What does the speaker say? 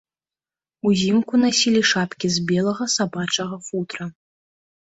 Узімку насілі шапкі з белага сабачага футра.